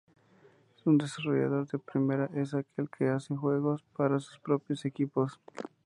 Un desarrollador de primera es aquel que hace juegos para sus propios equipos.